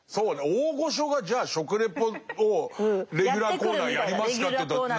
大御所がじゃあ食レポをレギュラーコーナーやりますかというとなかなか。